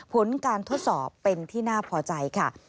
ผลการทดสอบเป็นที่น่าพอใจค่ะ